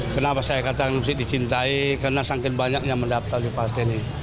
kenapa saya katakan harus disintai karena sangat banyak yang mendaftar di partai ini